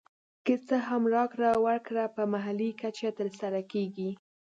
که څه هم راکړه ورکړه په محلي کچه تر سره کېږي